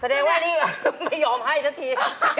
แสดงว่าอันนี้ไม่ยอมให้ทักที